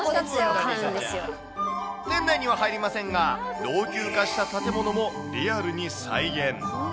店内には入れませんが、老朽化した建物もリアルに再現。